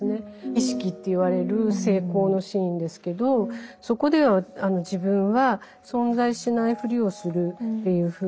「儀式」って言われる性交のシーンですけどそこでは自分は存在しないふりをするというふうに出てきますね。